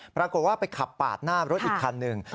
ปรากฏว่าไปขับปาดหน้ารถอีกคันหนึ่ง